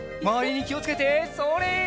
まわりにきをつけてそれ！